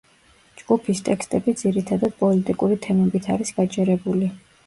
ჯგუფის ტექსტები ძირითადად პოლიტიკური თემებით არის გაჯერებული.